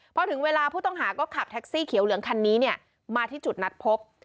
พอถึงเวลาผู้ต้องหาก็ขับแท็กซี่เขียวเหลืองคันนี้เนี่ยมาที่จุดนัดพบ